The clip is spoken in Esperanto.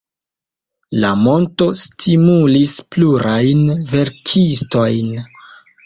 La monto stimulis plurajn verkistojn.